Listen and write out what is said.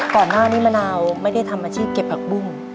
ก่อนหน้านี้มะนาวไม่ได้ทำอาชีพเก็บผักบุ้ง